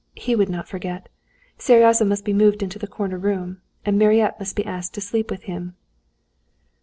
He would not forget. Seryozha must be moved into the corner room, and Mariette must be asked to sleep with him."